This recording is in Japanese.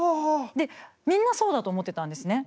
でみんなそうだと思ってたんですね。